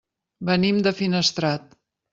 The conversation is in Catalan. Venim de Finestrat.